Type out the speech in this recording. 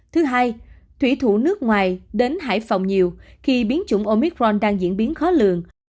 thứ hai thủy thủ nước ngoài đến hải phòng nhiều khi biến chủng omicron đang diễn biến khó lường